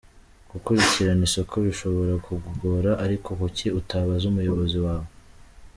Gukurikirana isoko bishobora kukugora ariko kuki utabaza umuyobozi wawe?”.